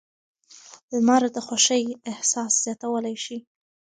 لمر د خوښۍ احساس زیاتولی شي.